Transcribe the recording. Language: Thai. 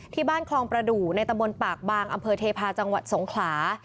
คลองประดูกในตำบลปากบางอำเภอเทพาะจังหวัดสงขลา